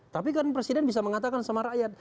tapi kan presiden bisa mengatakan sama rakyat